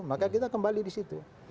maka kita kembali di situ